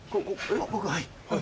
僕はい。